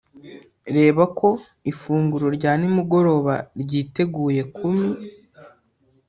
reba ko ifunguro rya nimugoroba ryiteguye kumi